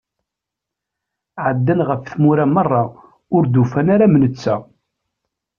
Ɛeddan ɣef tmura meṛṛa ur d-ufan ara am netta.